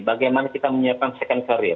bagaimana kita menyiapkan second karir